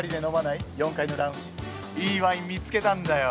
いいワイン見つけたんだよ。